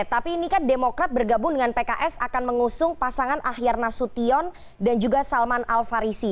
tapi ini kan demokrat bergabung dengan pks akan mengusung pasangan akhir nasution dan juga salman al farisi